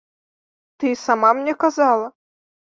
Ты і сама мне казала.